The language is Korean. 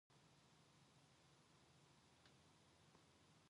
또다시 억지를 쓰고 일을 하실 것만이 염려 외다.